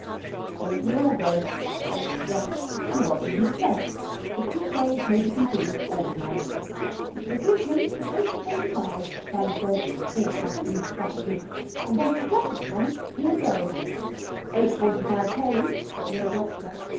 "Suppose we all go," Fenwick suggests. And Rosalind assents. The Crusade may be considered organized. "We'll give him till eight forty five," Sally says, forecasting strategy, "and then if he doesn't come we'll go." Eight forty five came, but no doctor.